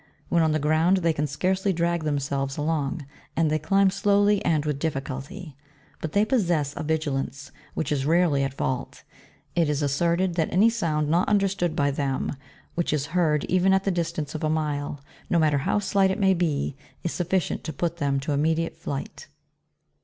When on the ground, they can scarcely drag themselves along; and they climb slowly and with difficulty ; but they possess a vigilance which is rarely at fault. It is asserted that any sound, not understood by them, which is heard even at the distance of a mile, no matter how slight it may be, is sufficient, to put them to immediate flight.